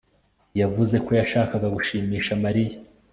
yavuze ko yashakaga gushimisha mariya